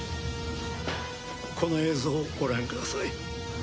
この映像をご覧ください。